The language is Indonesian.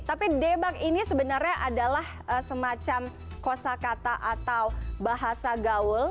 tapi debak ini sebenarnya adalah semacam kosa kata atau bahasa gaul